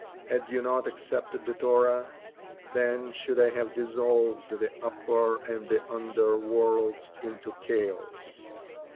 Had you not accepted the Torah, then should I have dissolved the upper and the under worlds into chaos."